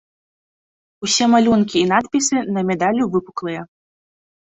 Усе малюнкі і надпісы на медалю выпуклыя.